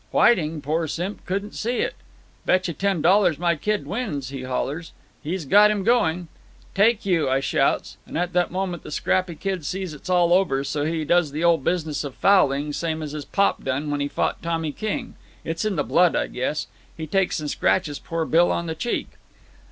Whiting, poor simp, couldn't see it. 'Betcha ten dollars my kid wins,' he hollers. 'He's got him going.' 'Take you,' I shouts; and at that moment the scrappy kid sees it's all over, so he does the old business of fouling, same as his pop done when he fought Tommy King. It's in the blood, I guess. He takes and scratches poor Bill on the cheek."